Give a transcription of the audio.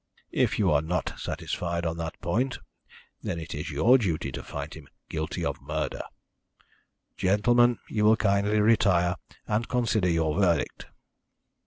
If you are not satisfied on that point, then it is your duty to find him guilty of murder. Gentlemen, you will kindly retire and consider your verdict."